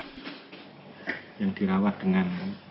yang dirawat dengan